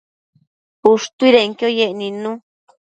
ushtuidenquio yec nidnu